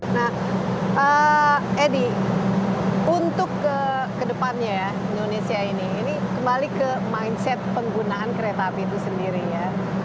nah edi untuk kedepannya ya indonesia ini kembali ke mindset penggunaan kereta api itu sendiri ya